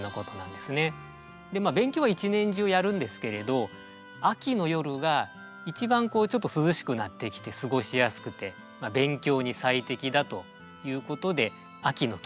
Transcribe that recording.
で勉強は一年中やるんですけれど秋の夜が一番涼しくなってきて過ごしやすくて勉強に最適だということで秋の季語になっていますね。